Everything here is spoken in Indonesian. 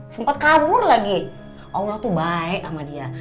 sempat kabur lagi allah tuh baik sama dia